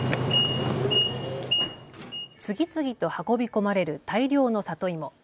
次々と運び込まれる大量の里芋。